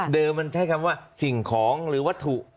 มันใช้คำว่าสิ่งของหรือวัตถุ